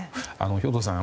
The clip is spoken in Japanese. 兵頭さん